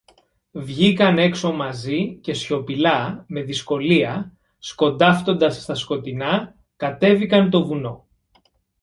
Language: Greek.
Βγήκαν έξω μαζί, και σιωπηλά, με δυσκολία, σκοντάφτοντας στα σκοτεινά, κατέβηκαν το βουνό.